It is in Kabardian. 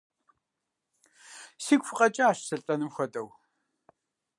Сигу фыкъэкӀащ сылӀэным хуэдэу!